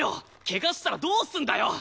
怪我したらどうすんだよ！？